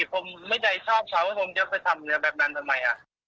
ผมไม่ได้ชอบเขาว่าผมจะไปทำเนื้อแบบนั้นทำไม